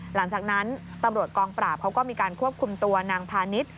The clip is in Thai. หลังจากนั้นตำรวจกองปราบเขาก็มีการควบคุมตัวนางพาณิชย์